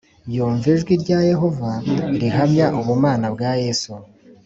. Yumva ijwi rya Yehova rihamya ubumana bwa Yesu